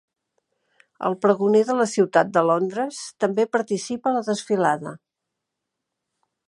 El pregoner de la ciutat de Londres també participa a la desfilada.